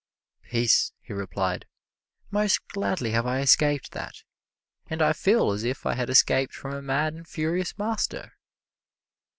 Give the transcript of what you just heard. "Peace," he replied; "most gladly have I escaped that, and I feel as if I had escaped from a mad and furious master."